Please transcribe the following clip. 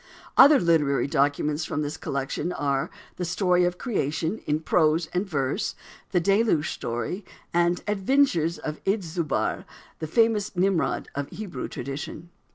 Other literary documents from this collection are The Story of Creation, in prose and verse; The Deluge Story, and Adventures of Izdubar, the famous Nimrod of Hebrew tradition.